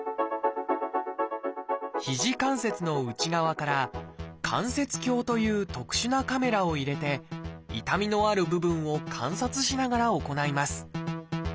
肘関節の内側から関節鏡という特殊なカメラを入れて痛みのある部分を観察しながら行います。